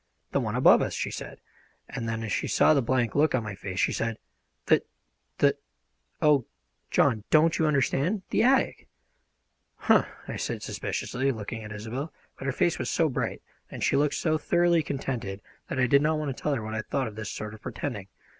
"The one above us," she said, and then as she saw the blank look on my face she said: "The the oh, John, don't you understand? The attic!" "Hum!" I said suspiciously, looking at Isobel; but her face was so bright, and she looked so thoroughly contented that I did not tell her what I thought of this sort of pretending.